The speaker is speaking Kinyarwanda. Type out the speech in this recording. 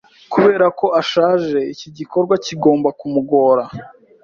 Kubera ko ashaje, iki gikorwa kigomba kumugora.